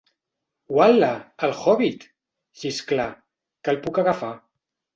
Ual·la, “El hòbbit” —xisclà— Que el puc agafar?